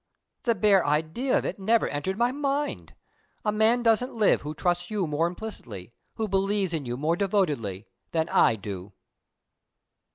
_ The bare idea of it never entered my mind. The man doesn't live who trusts you more implicitly, who believes in you more devotedly, than I do."